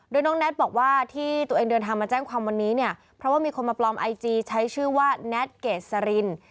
โดยน้องแน็ตบอกว่าที่ตัวเองเดินทางมาแจ้งความวันนี้เนี่ยเพราะว่ามีคนมาปลอมไอจีใช้ชื่อว่าแน็ตเกษริน